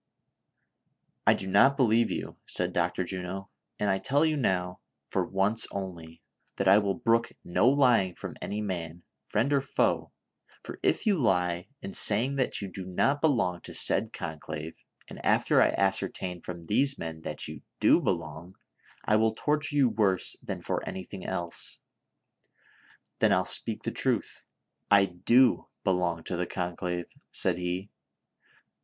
"I do not believe you!" said Dr. Juno, "and I tell you now, for once only, that 1 will brook no lying from any man, friend or foe ; for if you lie, in saying that you do not belong to said conclave, and after I ascertain from these men that you do belong, I will torture you worse than for anything else." " Then I'll speak the truth ; I do belong to the conclave," said he.